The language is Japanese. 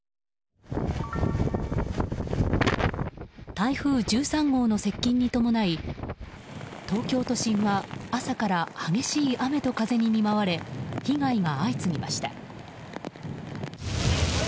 台風１３号の接近に伴い東京都心は朝から激しい雨と風に見舞われ被害が相次ぎました。